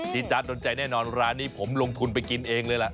จ๊ะโดนใจแน่นอนร้านนี้ผมลงทุนไปกินเองเลยล่ะ